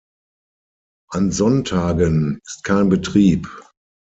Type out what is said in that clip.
An Sonntagen ist kein Betrieb.